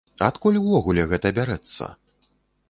Адкуль увогуле гэта бярэцца?